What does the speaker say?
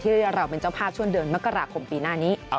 ที่เราเป็นเจ้าภาพช่วงเดือนมกราคมปีหน้านี้